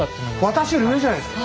私より上じゃないですか。